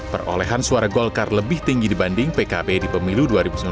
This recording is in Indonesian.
perolehan suara golkar lebih tinggi dibanding pkb di pemilu dua ribu sembilan belas